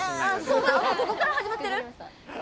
もうここから始まってる？